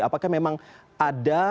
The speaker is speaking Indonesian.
apakah memang ada